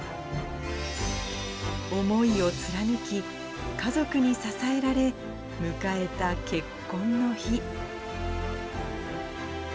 思いを貫き、家族に支えられ、迎えた結婚の日。